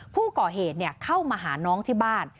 ผู้ก่อเหตุเข้ามาหาน้องที่บ้าน